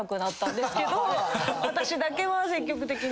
私だけは積極的に。